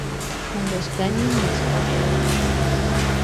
Kunkashkani nishkata.